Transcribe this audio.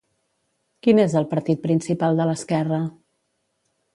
Quin és el partit principal de l'esquerra?